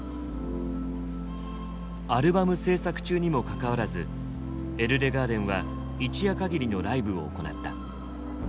アルバム制作中にもかかわらずＥＬＬＥＧＡＲＤＥＮは一夜かぎりのライブを行った。